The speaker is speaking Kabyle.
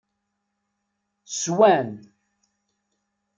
Swan.